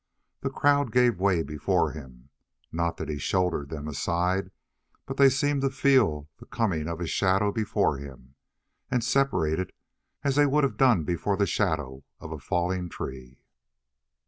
The crowd gave way before him, not that he shouldered them aside, but they seemed to feel the coming of his shadow before him, and separated as they would have done before the shadow of a falling tree.